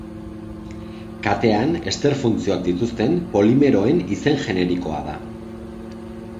Katean ester funtzioak dituzten polimeroen izen generikoa da.